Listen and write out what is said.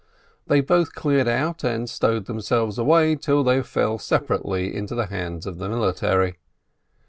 They both cleared out, and stowed themselves away till they fell separately into the hands of the military.